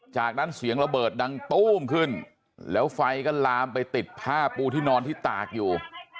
จากนั้นเสียงระเบิดดังตู้มขึ้นแล้วไฟก็ลามไปติดผ้าปูที่นอนที่ตากอยู่